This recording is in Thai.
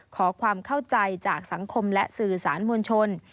ขอความเข้าใจจากสังคมและสื่อสารมวลชน